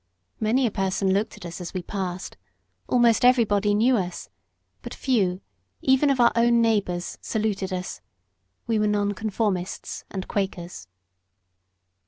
Many a person looked at us as we passed; almost everybody knew us, but few, even of our own neighbours, saluted us; we were Nonconformists and Quakers.